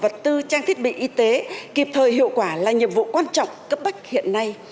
vật tư trang thiết bị y tế kịp thời hiệu quả là nhiệm vụ quan trọng cấp bách hiện nay